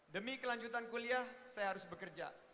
demi kelanjutan kuliah saya harus bekerja